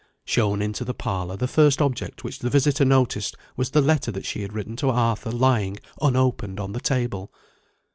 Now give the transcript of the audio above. Shown into the parlour, the first object which the visitor noticed was the letter that she had written to Arthur lying unopened on the table.